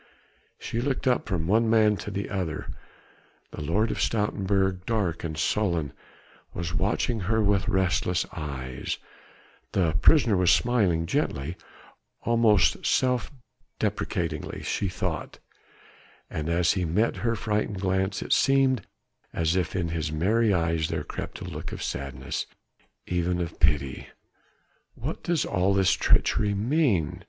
She looked up from one man to the other. The Lord of Stoutenburg, dark and sullen, was watching her with restless eyes; the prisoner was smiling, gently, almost self deprecatingly she thought, and as he met her frightened glance it seemed as if in his merry eyes there crept a look of sadness even of pity. "What does all this treachery mean?"